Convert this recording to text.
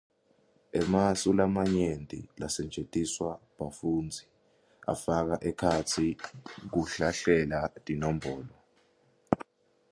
Emasu lamanyenti lasetjentiswa bafundzi afaka ekhatsi kuhlahlela tinombolo.